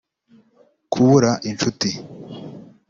kubura inshuti